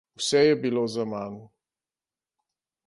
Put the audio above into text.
Vse je bilo zaman.